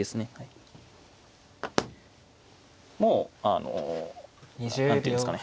もうあの何ていうんですかね